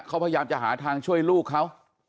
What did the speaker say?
เขาพยายามจะหาทางช่วยลูกเขา